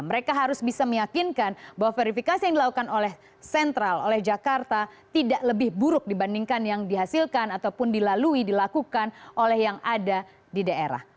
mengangkaskan oleh yang ada di daerah